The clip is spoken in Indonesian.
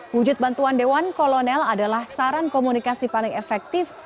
wujud bantuan dewan kolonel adalah saran komunikasi paling efektif